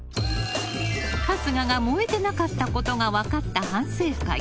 春日が燃えてなかったことが分かった反省会。